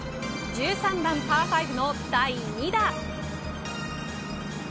１３番パー５の第２打。